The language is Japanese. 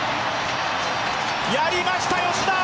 やりました吉田。